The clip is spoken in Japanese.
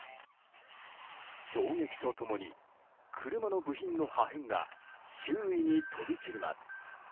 衝撃と共に、車の部品の破片が周囲に飛び散ります。